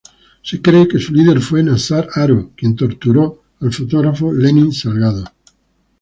Se cree que su líder fue Nazar Haro quien torturó al fotógrafo Lenin Salgado.